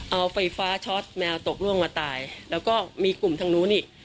เอาไฟฟ้าช็อตแมวตกล่วงมาตายแล้วก็มีกลุ่มทางนู้นนี่